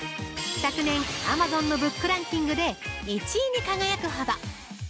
昨年、アマゾンのブックランキングで１位に輝くほど！